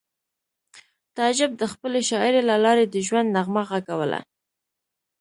تعجب د خپلې شاعرۍ له لارې د ژوند نغمه غږوله